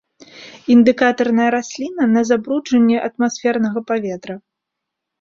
Індыкатарная расліна на забруджанне атмасфернага паветра.